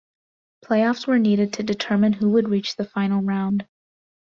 Playoffs were needed to determine who would reach the final round.